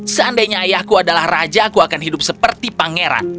seandainya ayahku adalah raja aku akan hidup seperti pangeran